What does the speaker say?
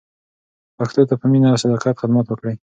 پښتو ته په مینه او صداقت خدمت وکړئ.